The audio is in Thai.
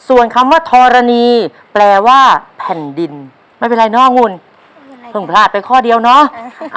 ส่วนคำว่าธรณีแปลว่าแผ่นดินไม่เป็นไรเนาะคุณเพิ่งพลาดไปข้อเดียวเนาะ